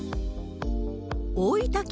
大分県